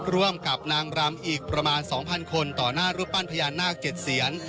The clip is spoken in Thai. ร่วมกับนางรำอีกประมาณ๒๐๐คนต่อหน้ารูปปั้นพญานาค๗เสียน